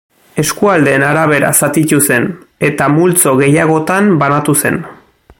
Eskualdeen arabera zatitu zen eta multzo gehiagotan banatu zen.